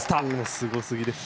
すごすぎです。